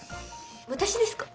私ですか？